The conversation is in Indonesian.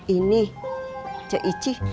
ini ceh esi